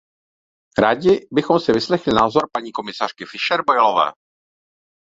Rádi bychom si vyslechli názor paní komisařky Fischer Boelové.